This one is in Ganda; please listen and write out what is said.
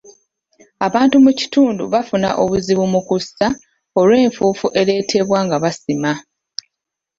Abantu mu kitundu bafuna obuzibu mu kussa olw'enfuufu ereetebwa nga basima.